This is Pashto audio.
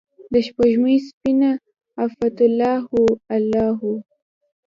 دسپوږمۍ سپینه عفته الله هو، الله هو